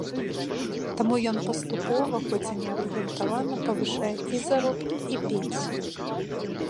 Таму ён паступова, хоць і неабгрунтавана, павышае і заробкі, і пенсіі.